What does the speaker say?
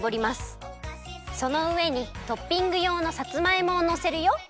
そのうえにトッピングようのさつまいもをのせるよ。